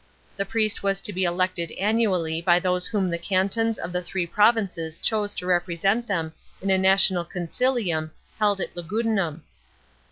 The priest was to be elected annually by those whom the cantons of the three provinces chose to represent them in a national concilium held at Lugudunum.